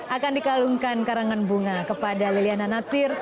akan dikalungkan karangan bunga kepada liliana natsir